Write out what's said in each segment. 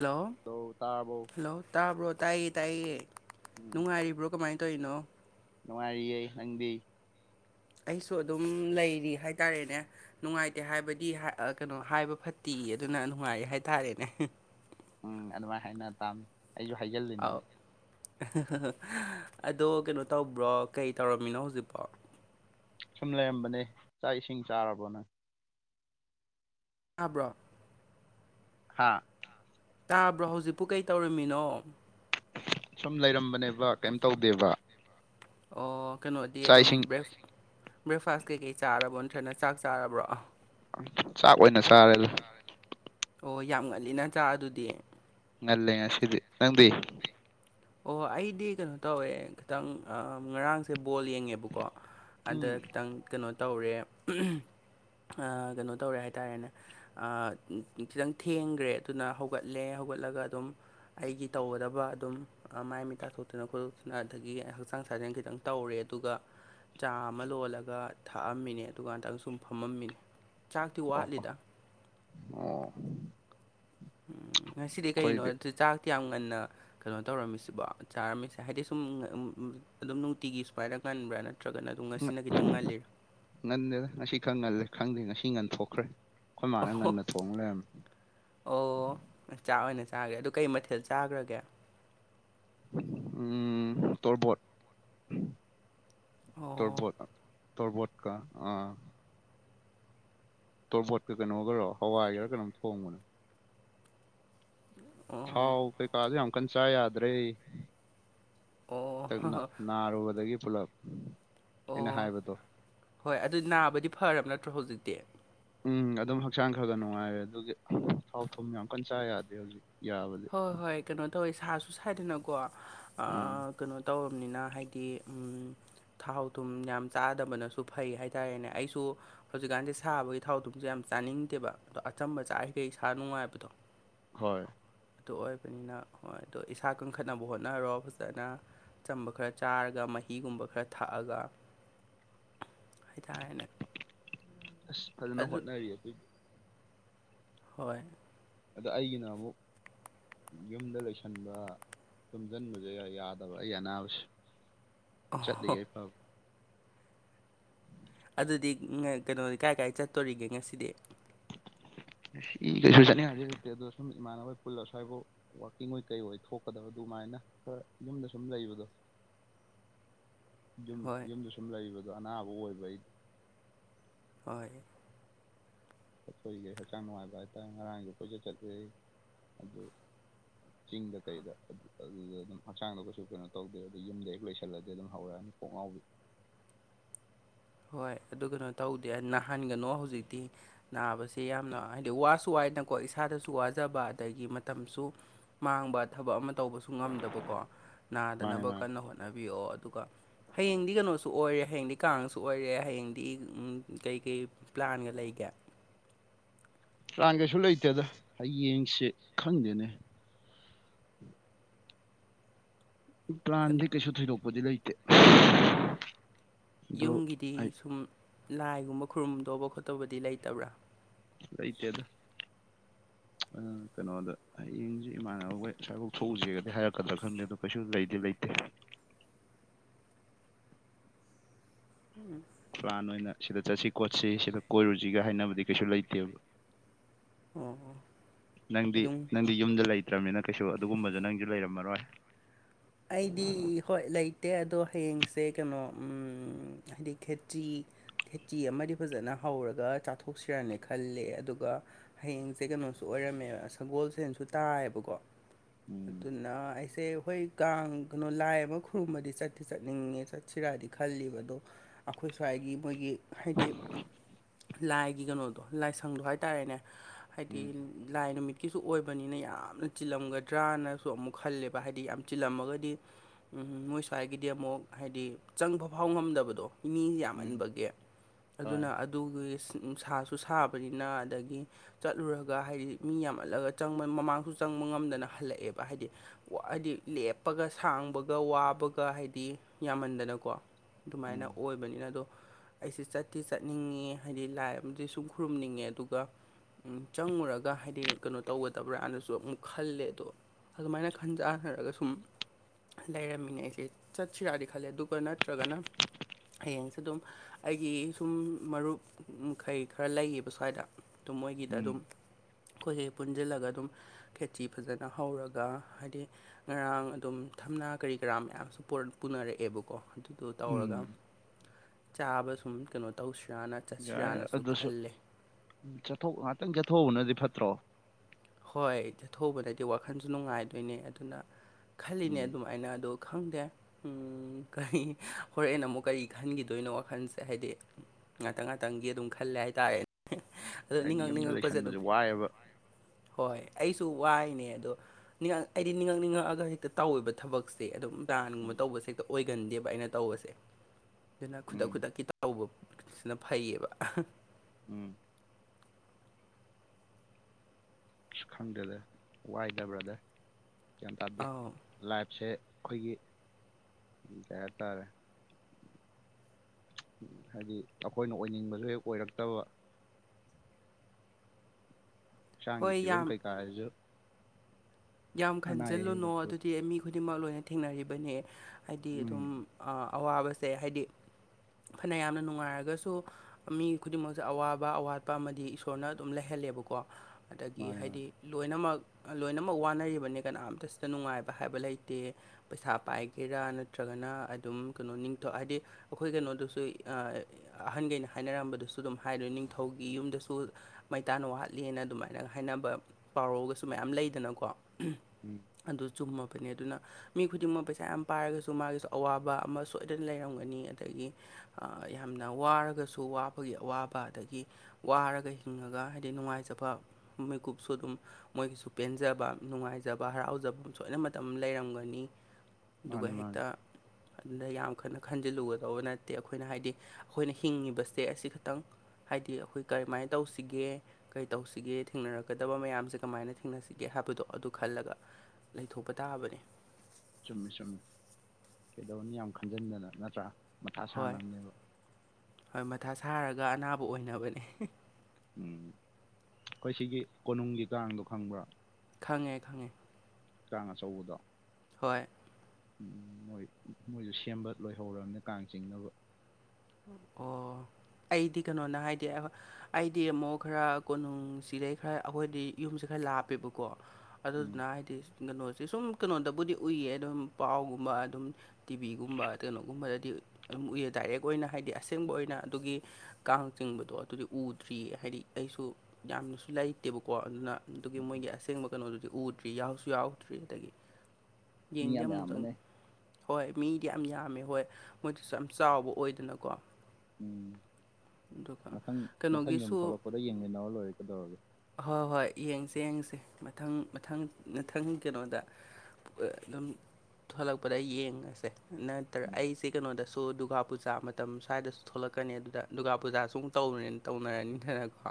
hello hello ꯇꯥꯔꯕꯣ hello ꯇꯥꯕ꯭ꯔꯣ ꯇꯥꯏꯌꯦ ꯇꯥꯏꯌꯦ ꯎꯝ ꯅꯨꯡꯉꯥꯏꯔꯤꯕ꯭ꯔꯣ ꯀꯃꯥꯏꯅ ꯇꯧꯔꯤꯅꯣ ꯅꯨꯡꯉꯥꯏꯔꯤꯌꯦ ꯅꯪꯗꯤ ꯑꯩꯁꯨ ꯑꯗꯨꯝ ꯂꯩꯔꯤ ꯍꯥꯏꯇꯥꯔꯦꯅꯦ ꯅꯨꯡꯉꯥꯏꯇꯦ ꯍꯥꯏꯕꯗꯤ ꯍꯥ ꯀꯩꯅꯣ ꯍꯥꯏꯕ ꯐꯠꯇꯦꯌꯦ ꯑꯗꯨꯅ ꯅꯨꯡꯉꯥꯏ ꯍꯥꯏꯇꯥꯔꯦꯅꯦ ꯎꯝ ꯑꯗꯨꯃꯥꯏꯅ ꯍꯥꯏꯅ ꯇꯥꯃꯤ ꯑꯩꯁꯨ ꯍꯥꯏꯖꯤꯜꯂꯤꯅꯦ ꯑꯥꯎ [unintelligible] ꯑꯗꯣ ꯀꯩꯅꯣ ꯇꯧꯕ꯭ꯔꯣ ꯀꯩ ꯇꯧꯔꯝꯃꯤꯅꯣ ꯍꯧꯖꯤꯛꯄꯣ ꯁꯨꯝ ꯂꯩꯔꯝꯕꯅꯦ ꯆꯥꯛ ꯏꯁꯤꯡ ꯆꯥꯔꯕꯣ ꯅꯪ ꯇꯥꯕ꯭ꯔꯣ ꯍꯥꯥ ꯇꯥꯕ꯭ꯔꯣ ꯍꯧꯖꯤꯛꯄꯨ ꯀꯩ ꯇꯧꯔꯝꯃꯤꯅꯣ [inaudible] ꯁꯨꯝ ꯂꯩꯔꯝꯕꯅꯦꯕ ꯀꯩꯝ ꯇꯧꯗꯦꯕ ꯑꯣ ꯀꯩꯅꯣꯗꯤ ꯆꯥꯛ ꯑꯗꯨꯝ ꯏꯁꯤꯡ ꯕꯦꯛ ꯕ꯭ꯔꯦꯛꯐꯥꯁ ꯀꯩꯀꯩ ꯆꯥꯔꯕꯣ ꯅꯠꯇ꯭ꯔꯒꯅ ꯆꯥꯛ ꯆꯥꯔꯕ꯭ꯔꯣ ꯆꯥꯛ ꯑꯣꯏꯅ ꯆꯥꯔꯦꯗ [unintelligible] ꯑꯣ ꯌꯥꯝ ꯉꯜꯂꯤꯅ ꯆꯥꯛ ꯑꯗꯨꯗꯤ ꯉꯠꯂꯦ ꯉꯁꯤꯗꯤ ꯅꯪꯗꯤ ꯑꯣ ꯑꯩꯗꯤ ꯀꯩꯅꯣ ꯇꯧꯋꯦ ꯈꯤꯇꯪ ꯉꯔꯥꯡꯁꯦ ꯕꯣꯜ ꯌꯦꯡꯉꯦꯕꯀꯣ ꯎꯝ ꯑꯗ ꯈꯤꯇꯪ ꯀꯩꯅꯣ ꯇꯧꯔꯦ ꯀꯩꯅꯣ ꯇꯧꯔꯦ ꯍꯥꯏꯇꯥꯔꯦꯅꯦ ꯑ ꯈꯤꯇꯪ ꯊꯦꯡꯈ꯭ꯔꯦ ꯑꯗꯨꯅ ꯍꯧꯒꯠꯂꯦ ꯍꯧꯒꯠꯂꯒ ꯑꯗꯨꯝ ꯑꯩꯒꯤ ꯇꯧꯒꯗꯕ ꯑꯗꯨꯝ ꯃꯥꯏ ꯃꯤꯠ ꯇꯥꯊꯣꯛꯇꯅ ꯈꯣꯠꯇꯣꯛꯇꯅ ꯑꯗꯒꯤ ꯍꯛꯆꯥꯡ ꯁꯥꯖꯦꯟ ꯈꯤꯇꯪ ꯇꯧꯔꯦ ꯑꯗꯨꯒ ꯆꯥ ꯑꯃ ꯂꯣꯜꯂꯒ ꯊꯛꯑꯝꯃꯤꯅꯦ ꯑꯗꯨꯒ ꯉꯥꯛꯇꯪ ꯁꯨꯝ ꯐꯝꯃꯝꯃꯤꯅꯦ ꯆꯥꯛꯇꯤ ꯑꯣ ꯑꯣ ꯋꯥꯠꯂꯤꯗ ꯑꯣ ꯎꯝ ꯉꯁꯤꯗꯤ ꯀꯩꯅꯣ ꯑꯩꯈꯣꯏꯗꯤ ꯑꯗꯨ ꯆꯥꯛꯇꯤ ꯌꯥꯝ ꯉꯟꯅ ꯀꯩꯅꯣ ꯇꯧꯔꯝꯃꯤꯁꯤꯕꯣ ꯆꯥꯔꯝꯃꯤꯁꯦ ꯍꯥꯏꯗꯤ ꯁꯨꯝ ꯎꯝ ꯎꯝ ꯑꯗꯨꯝ ꯅꯨꯡꯇꯤꯒꯤ ꯁꯨꯃꯥꯏꯅ ꯉꯟꯕ‌꯭ꯔꯥ ꯅꯠꯇ꯭ꯔꯒꯅ ꯑꯗꯨꯝ ꯉꯁꯤꯅ ꯈꯤꯇꯪ ꯉꯜꯂꯤꯔꯥ ꯉꯟꯗꯦꯗ ꯉꯁꯤ ꯈ ꯉꯜꯂꯦ ꯈꯪꯗꯦ ꯉꯁꯤ ꯉꯟꯊꯣꯛꯈ꯭ꯔꯦ ꯑꯩꯈꯣꯏ ꯃꯥꯅ ꯑꯣ ꯉꯟꯅ ꯊꯣꯡ ꯂꯩꯔꯝꯃꯦ ꯑꯣ ꯆꯥꯛ ꯑꯣꯏꯅ ꯆꯥꯒ꯭ꯔꯦ ꯑꯗꯨ ꯀꯩ ꯃꯊꯦꯜ ꯆꯥꯈ꯭ꯔꯒꯦ ꯎꯝ ꯇꯣꫪꯕꯣꯠ ꯑꯣ ꯇꯣꫪꯕꯣꯠ ꯇꯣꫪꯕꯠꯀꯥ ꯑ ꯇꯣꯔꯕꯣꯠꯀ ꯀꯩꯅꯣꯒꯔꯣ ꯍꯋꯥꯏꯒꯔ ꯀꯩꯅꯣꯝ ꯊꯣꯡꯕꯅꯦ ꯑꯣ ꯊꯥꯎ ꯀꯩꯀꯥꯁꯦ ꯌꯥꯝ ꯀꯟ ꯆꯥ ꯌꯥꯗ꯭ꯔꯦ ꯑꯣ ꯇꯛ ꯅ ꯅꯥꯔꯨꯕꯗꯒꯤ ꯄꯨꯂꯞ ꯑꯩꯅ ꯑꯣ ꯍꯥꯏꯕꯗꯣ ꯍꯣꯏ ꯑꯗꯨꯗꯤ ꯅꯥꯕꯗꯤ ꯐꯔꯕ ꯅꯠꯇ꯭ꯔꯣ ꯍꯧꯖꯤꯛꯇꯤ ꯎꯝ ꯑꯗꯨꯝ ꯍꯛꯆꯥꯡ ꯈꯔ ꯈꯔ ꯅꯨꯡꯉꯥꯏꯔꯦ ꯑꯗꯨꯒꯤ ꯊꯥꯎ ꯊꯨꯝ ꯌꯥꯝ ꯀꯟ ꯆꯥ ꯌꯥꯗꯦ ꯍꯧꯖꯤꯛ ꯌꯥꯕꯗꯤ ꯍꯣꯏ ꯍꯣꯏ ꯀꯩꯅꯣ ꯇꯧꯋꯦ ꯁꯥꯁꯨ ꯁꯥꯏꯗꯅ ꯀꯣ ꯎꯝ ꯀꯩꯅꯣ ꯇꯧꯔꯕꯅꯤꯅ ꯍꯥꯏꯗꯤ ꯎꯝ ꯊꯥꯎ ꯊꯨꯝ ꯌꯥꯝ ꯆꯥꯗꯕꯅꯁꯨ ꯐꯩ ꯍꯥꯏꯇꯥꯔꯦꯅꯦ ꯑꯩꯁꯨ ꯍꯧꯖꯤꯛꯀꯥꯟꯁꯦ ꯁꯥꯕꯒꯤ ꯊꯥꯎꯊꯨꯝꯖꯦ ꯌꯥꯝ ꯆꯥꯅꯤꯡꯗꯦꯕ ꯑꯗꯣ ꯑꯆꯝꯕ ꯆꯥꯔꯤꯈꯩ ꯏꯁꯥ ꯅꯨꯡꯉꯥꯏꯕꯗꯣ ꯍꯣꯏ ꯑꯗꯨ ꯑꯣꯏꯕꯅꯤꯅ ꯍꯣꯏ ꯑꯗꯣ ꯏꯁꯥ ꯀꯟꯈꯠꯅꯕ ꯍꯣꯠꯅꯔꯣ ꯐꯖꯅ ꯑꯆꯝꯕ ꯈꯔ ꯆꯥꯔꯒ ꯃꯍꯤꯒꯨꯝꯕ ꯈꯔ ꯊꯛꯑꯒ ꯍꯥꯏꯇꯥꯔꯦꯅꯦ ꯑꯁ ꯐꯖꯅ ꯑꯗꯨ ꯍꯣꯠꯅꯔꯤꯌꯦ ꯑꯗꯨꯏꯗꯤ ꯍꯣꯏ ꯑꯗꯣ ꯑꯩꯒꯤꯅ ꯑꯃꯨꯛ ꯌꯨꯝꯗ ꯂꯩꯁꯟꯕ ꯇꯨꯝꯖꯟꯕꯖꯦ ꯌꯥ ꯌꯥꯗꯕ ꯑꯩꯒꯤ ꯑꯅꯥꯕꯁꯦ ꯑꯣ ꯆꯠꯂꯤꯒꯩ ꯐꯕ ꯑꯗꯨꯗꯤ ꯀꯩꯅꯣꯗꯤ ꯀꯥꯏ ꯀꯥꯏ ꯆꯠꯇꯣꯔꯤꯒꯦ ꯉꯁꯤꯗꯤ ꯉꯁꯤꯗꯤ ꯀꯩꯁꯨ ꯆꯠꯅꯤꯡꯉꯥꯏꯗꯤ ꯂꯩꯇꯦ ꯑꯗꯣ ꯁꯨꯝ ꯏꯃꯥꯟꯅꯕ ꯄꯨꯜꯂꯒ ꯑꯁꯥꯏꯐꯥꯎ ꯋꯥꯀꯤꯡꯑꯣꯏ ꯀꯩꯑꯣꯏ ꯊꯣꯛꯀꯗꯕ ꯑꯗꯨꯃꯥꯏꯅ ꯈꯔ ꯌꯨꯝꯗ ꯁꯨꯝ ꯂꯩꯕꯗꯣ [inaudible] ꯌꯨꯝ ꯍꯣꯏ ꯌꯨꯝꯗ ꯁꯨꯝ ꯂꯩꯕꯗꯣ ꯑꯅꯥꯕ ꯑꯣꯏꯕ ꯑꯩꯗꯤ ꯍꯣꯏ ꯆꯠꯊꯣꯛꯏꯒꯩ ꯍꯛꯆꯥꯡ ꯅꯨꯡꯉꯥꯏꯕ ꯍꯥꯏꯇꯥꯔꯦ ꯉꯔꯥꯡꯁꯨ ꯀꯣꯏꯆꯠ ꯆꯠꯂꯦ ꯑꯩ ꯑꯗꯨ ꯆꯤꯡꯗ ꯀꯩꯗ ꯑꯗꯨ ꯑꯗꯨꯗ ꯑꯗꯨꯝ ꯍꯛꯆꯥꯡꯗꯣ ꯀꯩꯁꯨ ꯀꯩꯅꯣ ꯇꯧꯗꯦꯕ ꯑꯗꯨ ꯌꯨꯝꯗ ꯍꯦꯛ ꯂꯩꯁꯤꯜꯂꯗꯤ ꯑꯗꯨꯝ ꯍꯧꯔꯛꯑꯅꯤ ꯀꯣꯛ ꯉꯥꯎꯕꯤ ꯍꯣꯏ ꯑꯗꯨ ꯀꯩꯅꯣ ꯇꯧꯗꯦ ꯅꯥꯍꯟꯒꯅꯣ ꯍꯧꯖꯤꯛꯇꯤ ꯅꯥꯕꯁꯦ ꯌꯥꯝꯅ ꯍꯥꯏꯗꯤ ꯋꯥꯁꯨ ꯋꯥꯏꯅꯀꯣ ꯏꯁꯥꯗꯁꯨ ꯋꯥꯖꯕ ꯑꯗꯒꯤ ꯃꯇꯝꯁꯨ ꯃꯥꯡꯕ ꯊꯕꯛ ꯑꯃ ꯇꯧꯕꯁꯨ ꯉꯝꯗꯕꯀꯣ ꯃꯥꯅꯦ ꯅꯥꯗꯅꯕ ꯃꯥꯅꯦ ꯀꯟꯅ ꯍꯣꯠꯅꯕꯤꯌꯣ ꯑꯗꯨꯒ ꯍꯌꯦꯡꯗꯤ ꯀꯩꯅꯣꯁꯨ ꯑꯣꯏꯔꯦ ꯍꯌꯦꯡꯗꯤ ꯀꯥꯡꯁꯨ ꯑꯣꯏꯔꯦ ꯍꯌꯦꯡꯗꯤ ꯎꯝ ꯀꯩꯀꯩ ꯄ꯭ꯂꯥꯟꯒ ꯂꯩꯒꯦ ꯄ꯭ꯂꯥꯟ ꯀꯩꯁꯨ ꯂꯩꯇꯦꯗ ꯍꯌꯦꯡꯁꯦ ꯈꯪꯗꯦꯅꯦ ꯄ꯭ꯂꯥꯟꯗꯤ ꯀꯩꯁꯨ ꯊꯣꯏꯗꯣꯛꯄꯗꯤ ꯂꯩꯇꯦ ꯑꯗꯣ ꯌꯨꯝꯒꯤꯗꯤ ꯑꯩ ꯁꯨꯝ ꯂꯥꯏꯒꯨꯝꯕ ꯈꯨꯔꯨꯝꯗꯧꯕ ꯈꯣꯠꯇꯧꯕꯗꯤ ꯂꯩꯇꯕ꯭ꯔꯥ ꯂꯩꯇꯦꯗ [unintelligible] [inaudible] ꯑ ꯀꯩꯅꯣꯗ ꯍꯌꯦꯡꯁꯦ ꯏꯃꯥꯟꯅꯕꯈꯣꯏ ꯑꯁꯥꯏꯕꯧ ꯊꯣꯛꯎꯖꯦꯒꯗꯤ ꯍꯥꯏꯔꯛꯀꯗ꯭ꯔꯥ ꯈꯪꯗꯦ ꯑꯗꯣ ꯀꯩꯁꯨ ꯂꯩꯗꯤ ꯂꯩꯇꯦ ꯎꯝ ꯄ꯭ꯂꯥꯟ ꯑꯣꯏꯅ ꯁꯤꯗ ꯆꯠꯁꯤ ꯈꯣꯠꯁꯤ ꯁꯤꯗ ꯀꯣꯏꯔꯨꯁꯤꯒ ꯍꯥꯏꯅꯕꯗꯤ ꯀꯩꯁꯨ ꯂꯩꯇꯦꯕ ꯑꯣ ꯅꯪꯗꯤ ꯑꯗꯨꯝ ꯅꯪ ꯌꯨꯝꯗ ꯂꯩꯇ꯭ꯔꯕꯅꯤꯅ ꯀꯩꯁꯨ ꯑꯗꯨꯒꯨꯝꯕꯗꯨ ꯅꯪꯗꯤ ꯂꯩꯔꯝꯃꯔꯣꯏ ꯑꯩꯗꯤ ꯍꯣꯏ ꯂꯩ ꯗꯦ ꯑꯗꯣ ꯍꯌꯦꯡꯁꯦ ꯀꯩꯅꯣ ꯍꯥꯏꯗꯤ ꯈꯦꯆꯔꯤ ꯈꯦꯆꯔꯤ ꯑꯃꯗꯤ ꯐꯖꯅ ꯍꯧꯔꯒ ꯆꯥꯊꯣꯛꯁꯤꯔꯅ ꯈꯜꯂꯦ ꯑꯗꯨꯒ ꯍꯌꯦꯡꯁꯦ ꯀꯩꯅꯣꯁꯨ ꯑꯣꯏꯔꯝꯃꯦꯕ ꯁꯒꯣꯜꯁꯦꯜꯁꯨ ꯇꯥꯏꯌꯦꯕꯀꯣ ꯎꯝ ꯑꯗꯨꯅ ꯑꯩꯁꯦ ꯍꯣꯏ ꯀꯥꯡ ꯀꯩꯅꯣ ꯂꯥꯏ ꯑꯃ ꯈꯨꯔꯨꯝꯕꯗꯤ ꯆꯠꯇꯤ ꯆꯠꯅꯤꯡꯉꯦ ꯆꯠꯁꯤꯔꯗꯤ ꯈꯜꯂꯤꯕ ꯑꯗꯣ ꯑꯩꯈꯣꯏ ꯁ꯭ꯋꯥꯏꯒꯤ ꯃꯣꯏꯒꯤ ꯍꯥꯏꯗꯤ ꯂꯥꯏꯒꯤ ꯀꯩꯅꯣꯗꯣ ꯂꯥꯏꯁꯪꯗꯣ ꯍꯥꯏꯇꯥꯔꯦꯅꯦ ꯍꯥꯏꯗꯤ ꯎꯝ ꯂꯥꯏ ꯅꯨꯃꯤꯠꯀꯤꯁꯨ ꯑꯣꯏꯕꯅꯤꯅ ꯌꯥꯝꯅ ꯆꯤꯜꯂꯝꯒꯗ꯭ꯔꯥꯅꯁꯨ ꯑꯃꯨꯛ ꯈꯜꯂꯦꯕ ꯍꯥꯏꯗꯤ ꯌꯥꯝ ꯆꯤꯜꯂꯝꯃꯒꯗꯤ ꯎꯝ ꯃꯣꯏ ꯁ꯭ꯋꯥꯏꯒꯤꯗꯤ ꯑꯃꯨꯛ ꯍꯥꯏꯗꯤ ꯆꯪꯕ ꯐꯥꯎ ꯉꯝꯗꯕꯗꯣ ꯃꯤꯖꯦ ꯎꯝ ꯌꯥꯝꯃꯟꯕꯒꯤ ꯍꯣꯏ ꯑꯗꯨꯅ ꯑꯗꯨꯒꯤ ꯎꯝ ꯁꯥꯁꯨ ꯁꯥꯕꯅꯤꯅ ꯑꯗꯒꯤ ꯆꯠꯂꯨꯔꯒ ꯍꯥꯏꯗꯤ ꯃꯤ ꯌꯥꯝꯃꯠꯂꯒ ꯆꯪꯕ ꯃꯃꯥꯡꯁꯨ ꯆꯪꯕ ꯉꯝꯗꯅ ꯍꯜꯂꯛꯑꯦꯕ ꯍꯥꯏꯗꯤ ꯋꯥꯏ ꯑꯩꯗꯤ ꯂꯦꯞꯄꯒ ꯁꯥꯡꯕꯒ ꯋꯥꯕꯒ ꯍꯥꯏꯗꯤ ꯌꯥꯝꯃꯟꯗꯅꯀꯣ ꯑꯗꯨꯃꯥꯏꯅ ꯎꯝ ꯑꯣꯏꯕ ꯂꯩꯕꯅꯤꯅ ꯑꯗꯣ ꯑꯩꯁꯦ ꯆꯠꯇꯤ ꯆꯠꯅꯤꯡꯉꯦ ꯍꯥꯏꯗꯤ ꯂꯥꯏ ꯑꯃꯗꯤ ꯁꯨꯝ ꯈꯨꯔꯨꯝꯅꯤꯡꯉꯦ ꯑꯗꯨꯒ ꯆꯪꯉꯨꯔꯒ ꯍꯥꯏꯗꯤ ꯀꯩꯅꯣ ꯇꯧꯒꯗꯕ꯭ꯔꯥꯅꯁꯨ ꯑꯃꯨꯛ ꯈꯜꯂꯦ ꯑꯗꯣ ꯑꯗꯨꯃꯥꯏꯅ ꯈꯟꯖꯥꯟꯅꯔꯒꯁꯨꯝ ꯂꯩꯔꯝꯃꯤꯅꯦ ꯑꯩꯁꯦ ꯆꯠꯁꯤꯔꯥꯗꯤ ꯈꯜꯂꯦ ꯑꯗꯨꯒ ꯅꯠꯇ꯭ꯔꯒꯅ ꯍꯌꯦꯡꯁꯦ ꯑꯗꯨꯝ ꯑꯩꯒꯤ ꯁꯨꯝ ꯃꯔꯨꯞ ꯃꯈꯩ ꯈꯔ ꯂꯩꯌꯦꯕ ꯁ꯭ꯋꯥꯏꯗ ꯑꯗꯨꯝ ꯃꯣꯏꯒꯤꯗ ꯑꯗꯨꯝ ꯎꯝ ꯑꯩꯈꯣꯏꯒꯩ ꯄꯨꯟꯁꯤꯜꯂꯒ ꯑꯗꯨꯝ ꯈꯦꯆꯤ ꯐꯖꯅ ꯍꯧꯔꯒ ꯍꯥꯏꯗꯤ ꯉꯔꯥꯡ ꯑꯗꯨꯝ ꯊꯝꯅꯥ ꯀꯔꯤ ꯀꯔꯥ ꯃꯌꯥꯝꯁꯨ ꯄꯨꯅꯔꯛꯑꯦꯕꯀꯣ ꯑꯗꯨ ꯑꯗꯨ ꯇꯧꯔꯒ ꯎꯝ ꯆꯥꯕ ꯁꯨꯝ ꯀꯩꯅꯣ ꯇꯧꯁꯤꯔꯥꯅ ꯆꯠꯁꯤꯔꯥꯅꯁꯨ ꯈꯜꯂꯦ ꯎꯝ ꯆꯠꯊꯣꯛ ꯉꯍꯥꯛꯇꯪ ꯆꯠꯊꯣꯛꯎꯕꯅꯗꯤ ꯐꯠꯇ꯭ꯔꯣ ꯍꯣꯏ ꯆꯠꯊꯣꯛꯎꯕꯅꯗꯤ ꯋꯥꯈꯜꯁꯨ ꯅꯨꯡꯉꯥꯏꯗꯣꯏꯅꯦ ꯑꯗꯨꯅ ꯈꯜꯂꯤꯅꯦ ꯎꯝ ꯑꯗꯨꯝ ꯍꯥꯏꯅꯗꯣ ꯈꯪꯗꯦ ꯎꯝ ꯀꯔꯤ ꯍꯣꯔꯦꯟꯅ ꯑꯃꯨꯛ ꯀꯔꯤ ꯈꯟꯈꯤꯗꯣꯏꯅꯣ ꯋꯥꯈꯜꯁꯦ ꯍꯥꯏꯗꯤ ꯉꯥꯛꯇꯪ ꯉꯥꯛꯇꯪꯒꯤ ꯑꯗꯨꯝ ꯈꯜꯂꯦ ꯍꯥꯏꯇꯥꯔꯦꯅꯦ ꯑꯗ ꯅꯤꯡꯉꯛ ꯅꯤꯡꯉꯛꯄꯁꯦ ꯑꯗꯨꯝ ꯋꯥꯏꯕ ꯍꯣꯏ ꯑꯩꯁꯨ ꯋꯥꯏꯅꯦ ꯑꯗꯣ ꯅꯤꯡꯉꯛ ꯑꯩꯗꯤ ꯅꯤꯡꯉꯛ ꯅꯤꯡꯉꯛꯑꯒ ꯍꯦꯛꯇ ꯇꯧꯋꯦꯕ ꯊꯕꯛꯁꯦ ꯑꯗꯨꯝ ꯎꯝ ꯄꯂꯥꯟꯒꯨꯝꯕ ꯇꯧꯕꯁ ꯍꯦꯛꯇ ꯑꯣꯏꯒꯟꯗꯦꯕ ꯑꯩꯅ ꯇꯧꯕꯁꯦ ꯑꯗꯨꯅ ꯈꯨꯗꯛ ꯎꯝ ꯈꯨꯗꯛꯀꯤ ꯇꯧꯕꯁꯤꯅ ꯐꯩꯌꯦꯕ ꯎꯝ ꯈꯪꯗꯦꯗ ꯋꯥꯏꯗ ꯕ꯭ꯔꯗꯔ ꯒ꯭ꯌꯥꯟ ꯇꯥꯗꯦ ꯑꯧ ꯂꯥꯏꯐꯁꯦ ꯑꯩꯈꯣꯏꯒꯤ ꯀꯩ ꯍꯥꯏꯇꯥꯥꯔꯦ ꯎꯝ ꯍꯥꯏꯗꯤ ꯑꯩꯈꯣꯏꯅ ꯑꯣꯏꯅꯤꯡꯕꯁꯨ ꯍꯦꯛ ꯑꯣꯏꯔꯛꯇꯕ ꯍꯛꯆꯥꯡꯒꯤ ꯍꯣꯏ ꯐꯤꯕꯝ ꯌꯥꯝ ꯀꯩꯀꯥꯁꯤꯁꯨ ꯌꯥꯝ ꯑꯅꯥ ꯑꯌꯦꯛ ꯍꯦꯛ ꯈꯟꯖꯤꯜꯂꯨꯅꯣ ꯌꯥꯎꯁꯜꯂꯛꯄ ꯑꯗꯨꯗꯤ ꯃꯤ ꯈꯨꯗꯤꯡꯃꯛ ꯂꯣꯏꯅ ꯊꯦꯡꯅꯔꯤꯕꯅꯦ ꯍꯥꯏꯗꯤ ꯎꯝ ꯑꯗꯨꯝ ꯑꯋꯥꯕꯁꯦ ꯍꯥꯏꯗꯤ ꯐꯅ ꯌꯥꯝꯅ ꯅꯨꯡꯉꯥꯏꯔꯒꯁꯨ ꯃꯤ ꯈꯨꯗꯤꯡꯃꯛꯁꯦ ꯑꯋꯥꯕ ꯑꯋꯥꯠꯄ ꯑꯃꯗꯤ ꯏꯁꯣꯔꯅ ꯑꯗꯨꯝ ꯂꯩꯍꯜꯂꯦꯕꯀꯣ ꯑꯗꯒꯤ ꯃꯥꯅꯦ ꯍꯥꯏꯗꯤ ꯃꯥꯅꯦ ꯂꯣꯏꯅꯃꯛ ꯂꯣꯏꯅꯃꯛ ꯂꯣꯏꯅꯃꯛ ꯋꯥꯅꯔꯤꯕꯅꯤ ꯀꯅꯥꯝꯇ ꯁꯤꯗ ꯅꯨꯡꯉꯥꯏꯕ ꯍꯥꯏꯕ ꯂꯩꯇꯦ ꯄꯩꯁꯥ ꯄꯥꯏꯒꯦꯔꯥ ꯅꯠꯇ꯭ꯔꯒꯅ ꯑꯗꯨꯝ ꯀꯩꯅꯣ ꯅꯤꯡ ꯍꯥꯏꯗꯤ ꯑꯩꯈꯣꯏ ꯀꯩꯅꯣꯗꯨꯁꯨ ꯑꯍꯟꯈꯩꯅ ꯍꯥꯏꯅꯔꯝꯕꯗꯨꯁꯨ ꯑꯗꯨꯝ ꯍꯥꯏꯗꯣ ꯅꯤꯡꯊꯧꯒꯤ ꯌꯨꯝꯗꯁꯨ ꯃꯩꯇꯥꯟ ꯋꯥꯠꯂꯦꯅ ꯑꯗꯨꯃꯥꯏꯅ ꯍꯥꯏꯅꯕ ꯄꯥꯎꯔꯧꯒꯁꯨ ꯃꯌꯥꯝ ꯂꯩꯗꯅꯀꯣ ꯎꯝ ꯑꯗꯨ ꯆꯨꯝꯃꯕꯅꯤ ꯑꯗꯨꯅ ꯃꯤ ꯈꯨꯗꯤꯡꯃꯛ ꯄꯩꯁꯥ ꯌꯥꯝ ꯄꯥꯏꯔꯒꯁꯨ ꯃꯥꯒꯤꯁꯨ ꯑꯋꯥꯕ ꯑꯃ ꯁꯣꯏꯗꯅ ꯂꯩꯔꯝꯒꯅꯤ ꯑꯗꯒꯤ ꯌꯥꯝꯅ ꯋꯥꯔꯒꯁꯨ ꯋꯥꯕꯒꯤ ꯑꯋꯥꯕ ꯑꯗꯒꯤ ꯋꯥꯔꯒ ꯍꯤꯡꯉꯒ ꯍꯥꯏꯗꯤ ꯅꯨꯡꯉꯥꯏꯖꯕ ꯃꯤꯀꯨꯞꯁꯨ ꯑꯗꯨꯝ ꯃꯣꯏꯒꯤꯁꯨ ꯄꯦꯟꯖꯕ ꯅꯨꯡꯉꯥꯏꯖꯕ ꯍꯔꯥꯎꯖꯕ ꯁꯣꯏꯅ ꯃꯇꯝ ꯂꯩꯔꯝꯒꯅꯤ ꯑꯗꯨꯒ ꯃꯥꯅꯦ ꯃꯥꯅꯦ ꯍꯦꯛꯇ ꯑꯗꯨꯗ ꯌꯥꯝ ꯀꯟꯅ ꯈꯟꯖꯤꯜꯂꯨꯒꯗꯧꯕ ꯅꯠꯇꯦ ꯑꯩꯈꯣꯏꯅ ꯍꯥꯏꯗꯤ ꯑꯩꯈꯣꯏꯅ ꯍꯤꯡꯉꯤꯕꯁꯦ ꯑꯁꯤ ꯈꯤꯇꯪ ꯍꯥꯏꯗꯤ ꯑꯩꯈꯣꯏ ꯀꯔꯝꯃꯥꯏꯅ ꯇꯧꯁꯤꯒꯦ ꯀꯩ ꯇꯧꯁꯤꯒꯦ ꯊꯦꯡꯅꯔꯛꯀꯗꯕ ꯃꯌꯥꯝꯁꯦ ꯀꯃꯥꯏꯅ ꯊꯦꯡꯅꯁꯤꯒꯦ ꯍꯥꯏꯕꯗꯣ ꯑꯗꯨ ꯈꯜꯂꯒ ꯂꯩꯊꯣꯛꯄ ꯇꯥꯕꯅꯤ ꯆꯨꯝꯃꯤ ꯆꯨꯝꯃꯤ ꯀꯩꯗꯧꯅꯤ ꯌꯥꯝ ꯈꯟꯖꯤꯟꯗꯅ ꯅꯠꯇ꯭ꯔꯥ ꯃꯊꯥ ꯍꯣꯏ ꯁꯥꯅꯕꯅꯦꯕ ꯍꯣꯏ ꯃꯊꯥ ꯁꯥꯔꯒ ꯑꯅꯥꯕ ꯑꯣꯏꯅꯕꯅꯦ ꯎꯝ ꯑꯩꯈꯣꯏ ꯁꯤꯒꯤ ꯀꯣꯅꯨꯡꯒꯤ ꯀꯥꯡꯗꯣ ꯈꯪꯕ꯭ꯔꯥ ꯈꯪꯉꯦ ꯈꯪꯉꯦ ꯀꯥꯡ ꯑꯆꯧꯕꯗꯣ ꯍꯣꯏ ꯎꯝ ꯃꯣꯏ -ꯃꯣꯏꯁꯨ ꯁꯦꯝꯕ ꯂꯣꯏꯍꯧꯔꯕꯅꯦ ꯀꯥꯡ ꯆꯤꯡꯅꯕ ꯑꯣ ꯑꯩꯗꯤ ꯀꯩꯅꯣꯅ ꯍꯥꯏꯗꯤ ꯑꯩꯗꯤ ꯑꯃꯨꯛ ꯈꯔ ꯀꯣꯅꯨꯡ ꯁꯤꯗꯩ ꯈꯔ ꯑꯩꯈꯣꯏꯗꯤ ꯌꯨꯝꯁꯦ ꯈꯔ ꯂꯥꯞꯄꯦꯕꯀꯣ ꯎꯝ ꯑꯗꯨꯗꯨꯅ ꯍꯥꯏꯗꯤ ꯀꯩꯅꯣꯁꯦ ꯁꯨꯝ ꯀꯩꯅꯣꯗꯕꯨꯗꯤ ꯎꯏꯌꯦ ꯑꯗꯨꯝ ꯄꯥꯎꯒꯨꯝꯕ ꯑꯗꯨꯝ ꯇꯤꯚꯤꯒꯨꯝꯕ ꯀꯩꯅꯣꯒꯨꯝꯕꯗꯗꯤ ꯑꯗꯨꯝ ꯎꯏꯌꯦ ꯗꯥꯏꯔꯦꯛ ꯑꯣꯏꯅ ꯍꯥꯏꯗꯤ ꯑꯁꯦꯡꯕ ꯑꯣꯏꯅ ꯑꯗꯨꯒꯤ ꯀꯥꯡ ꯆꯤꯡꯕꯗꯣ ꯑꯗꯨꯗꯤ ꯎꯗ꯭ꯔꯤꯌꯦ ꯍꯥꯏꯗꯤ ꯑꯩꯁꯨ ꯌꯥꯝꯅꯁꯨ ꯂꯩꯇꯦꯕꯀꯣ ꯑꯗꯨꯅ ꯑꯗꯨꯒꯤ ꯃꯣꯏꯒꯤ ꯑꯁꯦꯡꯕ ꯀꯩꯅꯣꯗꯨꯗꯤ ꯎꯗ꯭ꯔꯤ ꯌꯥꯎꯁꯨ ꯌꯥꯎꯗ꯭ꯔꯤ ꯑꯗꯒꯤ ꯃꯤ ꯌꯦꯡꯗꯤ ꯌꯥꯝ ꯑꯃꯨꯛꯇꯪ ꯌꯥꯝꯕꯅꯦ ꯍꯣꯏ ꯃꯤꯗꯤ ꯌꯥꯝ ꯌꯥꯝꯃꯦ ꯍꯣꯏ ꯃꯣꯏꯗꯨꯁꯨ ꯌꯥꯝ ꯆꯥꯎꯕ ꯑꯣꯏꯗꯅꯀꯣ ꯎꯝ ꯑꯗꯨꯒ ꯃꯊꯪ- ꯃꯊꯪ ꯌꯨꯝ ꯀꯩꯅꯣꯒꯤꯁꯨ ꯊꯣꯛꯂꯛꯄꯗ ꯌꯦꯡꯃꯤꯟꯅꯧꯔ ꯂꯣꯏꯔꯦ ꯀꯩꯗꯧꯔꯒꯦ ꯍꯣꯏ -ꯍꯣꯏ ꯌꯦꯡꯁꯦ- ꯌꯦꯡꯁꯦ ꯃꯊꯪ- ꯃꯊꯪ -ꯃꯊꯪ ꯀꯩꯅꯣꯗ ꯑꯗꯨꯝ ꯊꯣꯛꯂꯛꯄꯗ ꯌꯦꯡꯉꯁꯦ ꯅꯠꯇ꯭ꯔ ꯎꯝ ꯑꯩꯁꯦ ꯀꯩꯅꯣꯗꯁꯨ ꯗꯨꯔꯒꯥ ꯄꯨꯖꯥ ꯑꯃ ꯃꯇꯝ ꯁ꯭ꯋꯥꯏꯗꯁꯨ ꯊꯣꯛꯂꯛꯀꯅꯤ ꯑꯗꯨꯗ ꯗꯨꯔꯒꯥ ꯄꯨꯖꯥꯁꯨ ꯑꯃꯨꯛ ꯇꯧꯔꯨꯔꯅꯤꯅ ꯇꯧꯅꯔꯅꯤꯗꯅꯀꯣ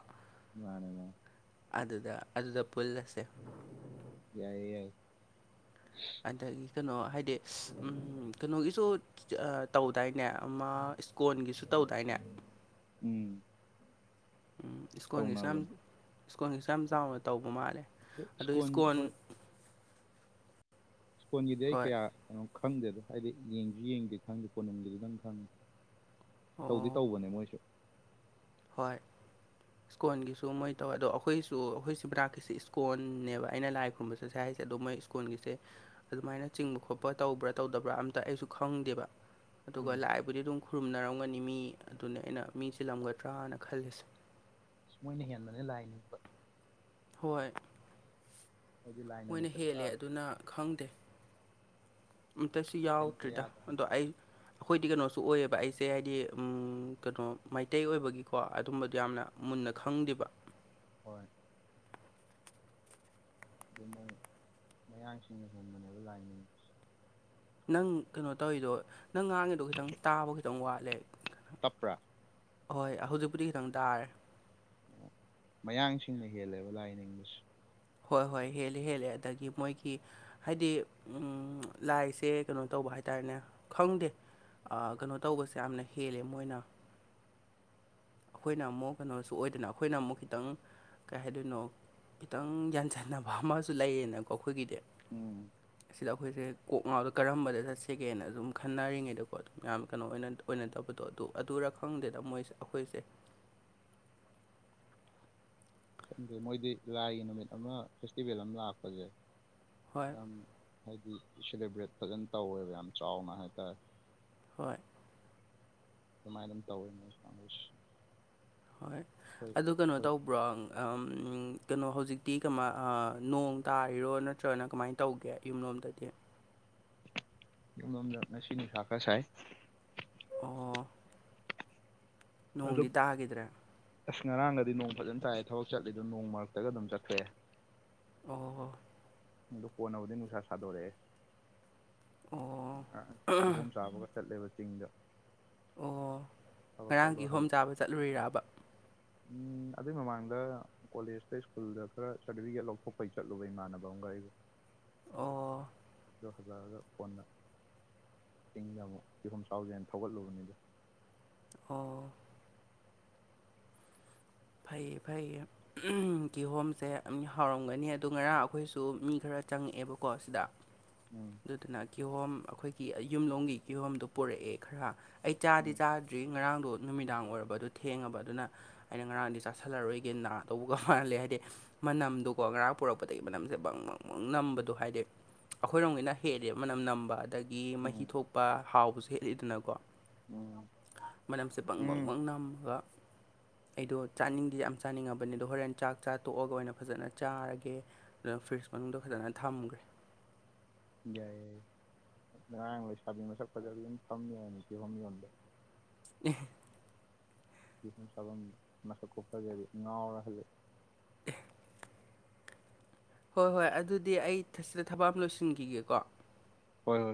ꯃꯥꯅꯦ ꯃꯥ ꯑꯗꯨꯗ -ꯑꯗꯨꯗ ꯄꯨꯜꯂꯁꯦ ꯌꯥꯏꯌꯦ ꯌꯥꯏ ꯑꯗꯒꯤ ꯀꯩꯅꯣ ꯍꯥꯏꯗꯤ ꯀꯩꯅꯣꯒꯤꯁꯨ ꯇꯧꯗꯥꯏꯅꯦ ꯑꯃ ꯏꯁꯀꯣꯟꯒꯤꯁꯨ ꯇꯧꯗꯥꯏꯅꯦ ꯎꯝ ꯎꯝ ꯏꯁ꯭ꯀꯣꯟꯜꯒꯤꯁꯨ ꯌꯥꯝ ꯇꯧꯅꯕꯅꯦ ꯏꯁꯀꯣꯟꯜꯒꯤꯁꯨ ꯌꯥꯝ ꯆꯥꯎꯅ ꯇꯧꯕ ꯃꯥꯜꯂꯦ ꯑꯗꯨ ꯏꯁ꯭ꯀꯣꯟ ꯍꯣꯏ ꯏꯁꯀꯣꯟꯒꯤꯗꯤ ꯑꯩ ꯍꯣꯏ ꯀꯌꯥ ꯀꯩꯅꯣ ꯈꯪꯗꯦꯗ ꯍꯥꯏꯗꯤ ꯌꯦꯡꯁꯨ ꯌꯦꯡꯗꯦ ꯈꯪꯗꯦ ꯀꯣꯅꯨꯡꯒꯤꯗꯨꯗꯪ ꯈꯪꯉꯦ ꯇꯧꯗꯤ ꯑꯣ ꯇꯧꯕꯅꯦ ꯃꯣꯏꯁꯨ ꯍꯣꯏ ꯏꯁꯀꯣꯟꯒꯤꯁꯨ ꯃꯣꯏ ꯇꯧꯋꯦ ꯑꯗꯣ ꯑꯩꯈꯣꯏꯁꯨ ꯑꯩꯈꯣꯏꯁꯤ ꯃꯅꯥꯛꯀꯤꯁꯤ ꯏꯁꯀꯣꯟꯅꯦꯕ ꯑꯩꯅ ꯂꯥꯏ ꯈꯨꯔꯨꯝꯕꯁꯨ ꯁꯥꯏ ꯍꯥꯏꯁꯦ ꯑꯗꯣ ꯃꯣꯏ ꯁ꯭ꯀꯨꯜꯒꯤꯁꯦ ꯑꯗꯨꯃꯥꯏꯅ ꯆꯤꯡꯕ ꯈꯣꯠꯄ ꯇꯧꯕ꯭ꯔ ꯇꯧꯗꯕ꯭ꯔ ꯑꯝꯇ ꯑꯩꯁꯨ ꯈꯪꯗꯦꯕ ꯑꯗꯨꯒ ꯎꯝ ꯂꯥꯏꯕꯨꯗꯤ ꯑꯗꯨꯝ ꯈꯨꯔꯨꯝꯅꯔꯝꯒꯅꯤ ꯃꯤ ꯑꯗꯨꯅꯤ ꯑꯩꯅ ꯃꯤ ꯆꯤꯜꯂꯝꯒꯗ꯭ꯔꯅ ꯈꯜꯂꯤꯁꯦ ꯃꯣꯏꯅ ꯍꯦꯟꯕꯅꯦ ꯂꯥꯏꯅꯤꯡꯕ ꯍꯣꯏ ꯃꯣꯏꯗꯤ ꯂꯥꯏ ꯃꯣꯏꯅ ꯅꯨꯃꯤꯠꯁꯦ ꯄꯨꯔꯥ ꯍꯦꯜꯂꯦ ꯑꯗꯨꯅ ꯈꯪꯗꯦ ꯑꯝꯇꯁꯨ ꯑꯦꯞꯁꯦꯟ ꯑꯣꯏ ꯌꯥꯎꯗ꯭ꯔꯤꯗ ꯌꯥꯗꯕꯅꯤ ꯑꯗꯣ ꯑꯩ ꯑꯩꯈꯣꯏꯗꯤ ꯀꯩꯅꯣꯁꯨ ꯑꯣꯏꯌꯦꯕ ꯑꯩꯁꯦ ꯍꯥꯏꯗꯤ ꯀꯩꯅꯣ ꯃꯩꯇꯩ ꯑꯣꯏꯕꯒꯤꯀꯣ ꯑꯗꯨꯝꯕꯗꯣ ꯌꯥꯝꯅ ꯃꯨꯟꯅ ꯈꯪꯗꯦꯕ ꯍꯣꯏ ꯑꯗꯨ ꯃꯣꯏ ꯃꯌꯥꯡꯁꯤꯡꯅ ꯍꯦꯟꯕꯅꯦꯕ ꯂꯥꯏ ꯅꯪ ꯀꯩꯅꯣ ꯇꯧꯔꯤꯗꯣ ꯅꯪ ꯉꯥꯡꯉꯤꯗꯣ ꯈꯤꯇꯪ ꯇꯥꯕ ꯈꯤꯇꯪ ꯋꯥꯠꯂꯦ ꯇꯞꯄ꯭ꯔ ꯍꯣꯏ ꯍꯧꯖꯤꯛꯄꯨꯗꯤ ꯈꯤꯇꯪ ꯇꯥꯔꯦ ꯃꯌꯥꯡꯁꯤꯡꯅ ꯍꯦꯜꯂꯦꯕ ꯂꯥꯏ ꯅꯤꯡꯕꯁꯤ ꯍꯣꯏ- ꯍꯣꯏ ꯍꯦꯜꯂꯦ -ꯍꯦꯜꯂꯦ ꯑꯗꯒꯤ ꯃꯣꯏꯒꯤ ꯍꯥꯏꯗꯤ ꯂꯥꯏꯁꯦ ꯀꯩꯅꯣ ꯇꯧꯕ ꯍꯥꯏ ꯇꯥꯔꯦꯅꯦ ꯈꯪꯗꯦ ꯀꯩꯅꯣ ꯇꯧꯕꯁꯦ ꯌꯥꯝꯅ ꯍꯦꯜꯂꯦ ꯃꯣꯏꯅ ꯑꯩꯈꯣꯏꯅ ꯑꯃꯨꯛ ꯀꯩꯅꯣꯁꯨ ꯑꯣꯏꯗꯅ ꯑꯩꯈꯣꯏꯅ ꯑꯃꯨꯛ ꯈꯤꯇꯪ ꯀꯩ ꯍꯥꯏꯗꯣꯏꯅꯣ ꯈꯤꯇꯪ ꯌꯥꯟꯁꯟꯅꯕ ꯑꯃꯁꯨ ꯂꯩꯌꯦꯅꯀꯣ ꯑꯩꯈꯣꯏꯒꯤꯗꯤ ꯎꯝ ꯁꯤꯗ ꯑꯩꯈꯣꯏꯁꯦ ꯀꯣꯛ ꯉꯥꯎꯗ ꯀꯔꯝꯕꯗ ꯆꯠꯁꯤꯒꯦꯅ ꯑꯗꯨꯝ ꯈꯟꯅꯔꯤꯉꯩꯗꯀꯣ ꯑꯗꯨ ꯌꯥꯝ ꯀꯩꯅꯣ ꯑꯣꯏꯅ ꯑꯣꯏꯅꯗꯕꯗꯣ ꯑꯗꯨ ꯑꯗꯨꯔ ꯈꯪꯗꯦꯗ ꯃꯣꯏꯁꯦ ꯑꯩꯈꯣꯏꯁꯦ ꯃꯣꯏꯗꯤ ꯂꯥꯏꯒꯤ ꯅꯨꯃꯤꯠ ꯑꯃ ꯐꯦꯁꯇꯤꯚꯦꯜ ꯑꯃ ꯂꯥꯛꯄꯖꯦ ꯍꯣꯏ ꯌꯥꯝ ꯍꯥꯏꯗꯤ ꯁꯦꯂꯦꯕ꯭ꯔꯦꯠ ꯐꯖꯅ ꯇꯧꯋꯦꯕ ꯌꯥꯝ ꯆꯥꯎꯅ ꯍꯥꯏꯇꯥꯔꯦ ꯍꯣꯏ ꯑꯗꯨꯃꯥꯏꯅ ꯑꯗꯨꯝ ꯇꯧꯋꯦ ꯃꯣꯏ ꯀꯥꯡꯒꯨꯁꯤ ꯍꯣꯏ ꯑꯗꯨ ꯀꯩꯅꯣ ꯑꯩꯈꯣꯏ ꯇꯧꯕ꯭ꯔꯣ ꯀꯩꯅꯣ ꯍꯧꯖꯤꯛꯇꯤ ꯀꯃ ꯑ ꯅꯣꯡ ꯇꯥꯔꯤꯔꯣ ꯅꯠꯇ꯭ꯔꯒꯅ ꯀꯃꯥꯏ ꯇꯧꯒꯦ ꯌꯨꯝꯂꯣꯝꯗꯗꯤ ꯌꯨꯝꯂꯣꯝꯗ ꯉꯁꯤ ꯅꯨꯡꯁꯥ ꯈꯔ ꯁꯥꯏ ꯑꯣ ꯑꯗꯨꯝ ꯅꯣꯡꯗꯤ ꯇꯥꯒꯤꯗ꯭ꯔꯦ ꯑꯁ ꯉꯔꯥꯡꯒꯗꯤ ꯅꯣꯡ ꯐꯖꯅ ꯇꯥꯏ ꯊꯕꯛ ꯆꯠꯂꯤꯗꯣ ꯅꯣꯡ ꯃꯔꯛꯇꯒ ꯑꯗꯨꯝ ꯆꯠꯈ꯭ꯔꯦ ꯑꯣ ꯍ [unintelligible] ꯀꯣꯟꯅꯕꯨꯗꯤ ꯅꯨꯡꯁꯥ ꯁꯥꯗꯣꯔꯛꯑꯦ ꯑꯣ ꯀꯤꯍꯣꯝ ꯆꯥꯕꯒ ꯆꯠꯂꯦꯕ ꯆꯤꯡꯗ ꯑꯣ ꯊꯕꯛ ꯉꯔꯥꯡ ꯆꯠꯂꯨ ꯍꯜꯂꯛ ꯀꯤꯍꯣꯝ ꯆꯥꯕ ꯆꯠꯂꯨꯔꯤꯔꯕ ꯎꯝ ꯑꯗꯨꯏ ꯃꯃꯥꯡꯗ ꯀꯣꯂꯦꯖꯇ ꯁ꯭ꯀꯨꯜꯗ ꯈꯔ ꯁꯥꯔꯇꯤꯐꯤꯀꯦꯠ ꯂꯧꯊꯣꯛꯄꯩ ꯆꯠꯂꯨꯕ ꯏꯃꯥꯟꯅꯕ ꯑꯃꯒ ꯑꯩꯒ ꯑꯣ ꯑꯗꯨ ꯍꯜꯂꯛꯑꯒ ꯀꯣꯟꯅ ꯆꯤꯡꯗ ꯑꯃꯨꯛ ꯀꯤꯍꯣꯝ ꯆꯥꯎꯖꯦꯅ ꯊꯧꯒꯠꯂꯨꯕꯅꯤꯗ ꯑꯣ ꯐꯩ -ꯐꯩ ꯀꯤꯍꯣꯝꯁꯦ ꯍꯥꯎꯔꯝꯒꯅꯤ ꯑꯗꯨ ꯉꯔꯥꯡ ꯑꯩꯈꯣꯏꯁꯨ ꯃꯤ ꯈꯔ ꯆꯪꯉꯛꯑꯦꯕꯀꯣ ꯁꯤꯗ [inaudible] ꯎꯝ ꯑꯗꯨꯗꯨꯅ ꯀꯤꯍꯣꯝ ꯑꯩꯈꯣꯏꯒꯤ ꯌꯨꯝꯂꯣꯡꯝꯒꯤ ꯀꯤꯍꯣꯝꯗꯣ ꯄꯨꯔꯛꯑꯦ ꯈꯔ ꯑꯩ ꯆꯥꯗꯤ ꯎꯝ ꯆꯥꯗ ꯑꯗꯨꯗꯩ ꯉꯔꯥꯡꯗꯣ ꯅꯨꯃꯤꯗꯥꯡ ꯑꯣꯏꯔꯕ ꯑꯗꯨ ꯊꯦꯡꯉꯕ ꯑꯗꯨꯅ ꯑꯩꯅ ꯉꯔꯥꯡꯗꯤ ꯆꯥꯁꯜꯂꯔꯣꯏꯒꯦ ꯅ ꯇꯧꯕꯒ ꯋꯥꯍꯜꯂꯦ ꯍꯥꯏꯗꯤ ꯃꯅꯝꯗꯨꯀꯣ ꯉꯔꯥꯡ ꯄꯨꯔꯛꯄꯗꯒꯤ ꯃꯅꯝꯁꯦ ꯕꯪ ꯃꯪ ꯕꯪ ꯅꯝꯕꯗꯣ ꯍꯥꯏꯗꯤ ꯑꯩꯈꯣꯏꯔꯣꯝꯒꯤꯅ ꯍꯦꯂꯦ ꯃꯅꯝ ꯅꯝꯕ ꯑꯗꯒꯤ ꯃꯍꯤ ꯎꯝ ꯊꯣꯛꯄ ꯍꯥꯎꯕꯁꯨ ꯍꯦꯂꯤꯗꯅꯀꯣ ꯎꯝ ꯃꯅꯝꯁꯦ ꯄꯪ ꯎꯝ ꯄꯪꯕꯪ ꯅꯝꯃꯒ ꯑꯩꯗꯣ ꯆꯥꯅꯤꯡꯗꯤ ꯌꯥꯝ ꯆꯥꯅꯤꯡꯉꯕꯅꯤ ꯑꯗꯣ ꯍꯣꯔꯦꯟ ꯆꯥꯛ ꯆꯥ ꯇꯣꯛꯑꯒ ꯑꯣꯏꯅ ꯐꯖꯅ ꯆꯥꯔꯒꯦ ꯑꯗꯨ ꯐ꯭ꯔꯤꯖ ꯃꯅꯨꯡꯗ ꯐꯖꯅ ꯊꯝꯒ꯭ꯔꯦ ꯌꯥꯏ ꯌꯥꯏ ꯉꯔꯥꯡ ꯂꯩꯁꯥꯕꯤ ꯃꯁꯛ ꯐꯖꯕꯤ ꯑꯃ ꯐꯝ ꯂꯩꯔꯝꯃꯦ ꯀꯤꯍꯣꯝ ꯌꯣꯟꯕ ꯑꯦ ꯀꯤꯍꯝ ꯆꯥꯐꯝꯗ ꯃꯁꯛ ꯈꯨꯐꯖꯗꯤ ꯉꯥꯎꯔ ꯍꯜꯂꯦ [inaudible] ꯍꯣꯏ ꯍꯣꯏ ꯑꯗꯨꯗꯤ ꯑꯩ ꯁꯤꯗ ꯊꯕꯛ ꯑꯃ ꯂꯣꯏꯁꯤꯟꯈꯤꯒꯦꯀꯣ ꯍꯣꯏ ꯍꯣꯏ